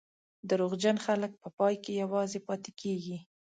دروغجن خلک په پای کې یوازې پاتې کېږي.